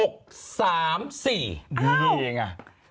ดีเองอะ